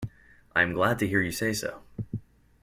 I am glad to hear you say so.